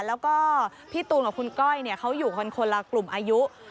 แล้วก็พี่ตูนกับคุณก้อยเขาอยู่กันคนละกลุ่มอายุ